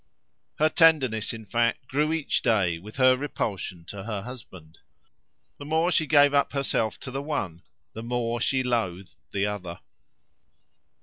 Her tenderness, in fact, grew each day with her repulsion to her husband. The more she gave up herself to the one, the more she loathed the other.